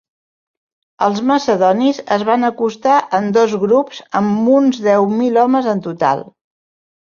Els macedonis es van acostar en dos grups amb uns deu mil homes en total.